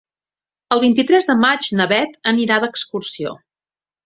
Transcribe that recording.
El vint-i-tres de maig na Beth anirà d'excursió.